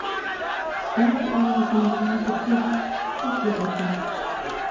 بار ئاۋازىم بىلەن بۇقۇلداپ سۈكۈتتەك يىغلىدىم.